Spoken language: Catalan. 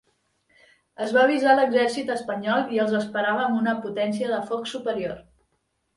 Es va avisar l'exèrcit espanyol i els esperava amb una potència de foc superior.